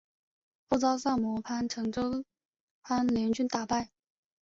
后遭萨摩藩长州藩联军打败。